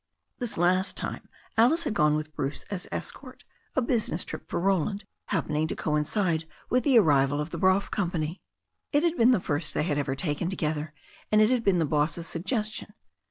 This last time Alice had gone with Bruce as escort, a business trip for Roland happening to coincide with the ar rival of the Brough Company. It had been the first they had ever taken together, and it had been the boss's sugges tion.